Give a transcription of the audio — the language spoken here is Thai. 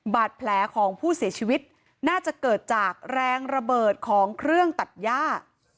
บาดแผลของผู้เสียชีวิตน่าจะเกิดจากแรงระเบิดของเครื่องตัดย่า